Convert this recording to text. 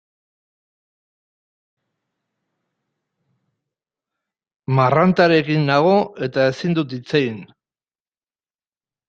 Marrantarekin nago eta ezin dut hitz egin.